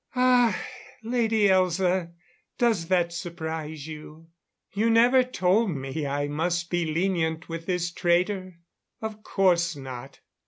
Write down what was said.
"Ah, Lady Elza, does that surprise you? You never told me I must be lenient with this traitor? Of course not."